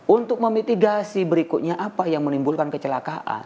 untuk memitigasi berikutnya apa yang menimbulkan kecelakaan